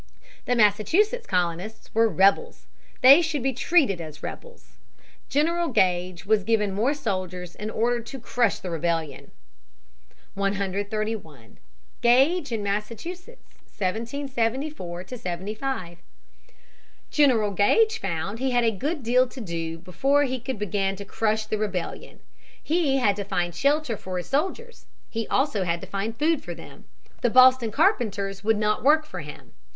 The Massachusetts colonists were rebels, they should be treated as rebels. General Gage was given more soldiers and ordered to crush the rebellion. [Sidenote: General Gage.] [Sidenote: Opposed by the Massachusetts people.] 131. Gage in Massachusetts, 1774 75. General Gage found he had a good deal to do before he could begin to crush the rebellion. He had to find shelter for his soldiers. He also had to find food for them. The Boston carpenters would not work for him.